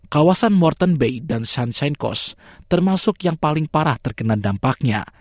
kawasan morton bay dan sunsain cost termasuk yang paling parah terkena dampaknya